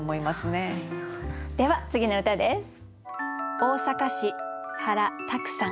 では次の歌です。